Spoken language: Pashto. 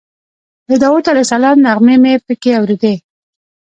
د داود علیه السلام نغمې مې په کې اورېدې.